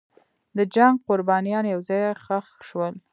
د جنګ قربانیان یو ځای ښخ شول.